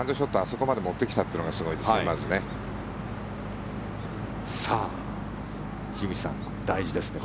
そこまで持ってきたというのがまずすごいですね。